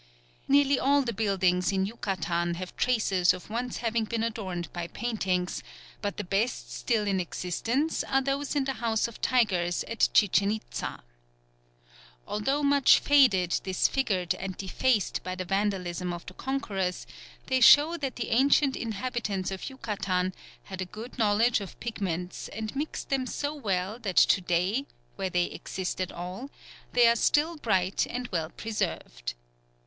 Nearly all the buildings in Yucatan have traces of once having been adorned by paintings; but the best still in existence are those in the House of Tigers at Chichen Itza. Although much faded, disfigured and defaced by the vandalism of the conquerors, they show that the ancient inhabitants of Yucatan had a good knowledge of pigments and mixed them so well that to day, where they exist at all, they are still bright and well preserved.